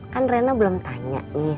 kan rena belum tanya nih